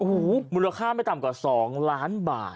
อุ้โฮมูลค่าไม่ต่ำของ๒ล้านบาท